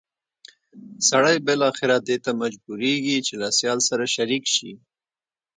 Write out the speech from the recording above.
سړی بالاخره دې ته مجبورېږي چې له سیال سره شریک شي.